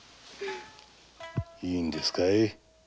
いいんですかい？